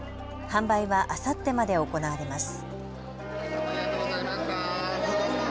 販売はあさってまで行われます。